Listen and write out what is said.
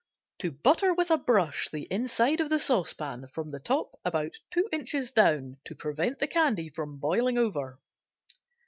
To butter with a brush the inside of the saucepan from the top about two inches down, to prevent the candy from boiling over.